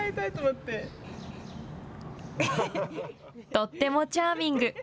とってもチャーミング。